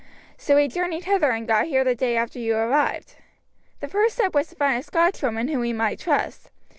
So we journeyed hither and got here the day after you arrived. The first step was to find a Scotchwoman whom we might trust.